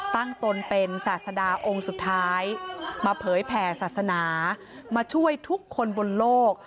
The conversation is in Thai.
ตนเป็นศาสดาองค์สุดท้ายมาเผยแผ่ศาสนามาช่วยทุกคนบนโลก